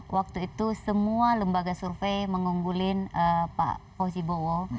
waktu itu semua lembaga survei mengunggulin pak fosibowo